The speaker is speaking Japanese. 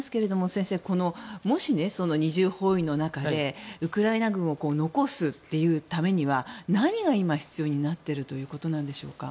先生、もし二重包囲の中でウクライナ軍を残すためには何が今、必要になっているということなんでしょうか。